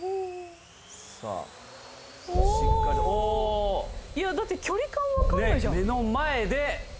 おおいやだって距離感分かんないじゃん